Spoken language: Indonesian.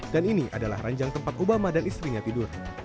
dan ini adalah ranjang tempat obama dan istrinya tidur